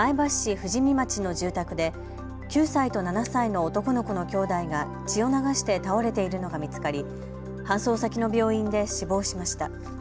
富士見町の住宅で９歳と７歳の男の子の兄弟が血を流して倒れているのが見つかり搬送先の病院で死亡しました。